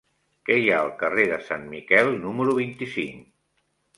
Què hi ha al carrer de Sant Miquel número vint-i-cinc?